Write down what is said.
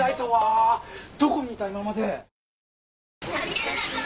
どこにいた今まで。